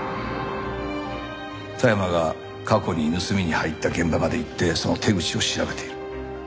田山が過去に盗みに入った現場まで行ってその手口を調べている。